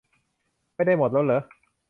ไม่ได้หมดแล้วเรอะ